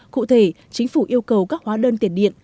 cụ thể chính phủ yêu cầu các hóa đơn tiền điện